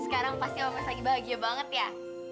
sekarang pasti om mas lagi bahagia banget ya